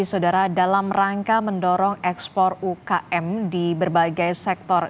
saudara dalam rangka mendorong ekspor ukm di berbagai sektor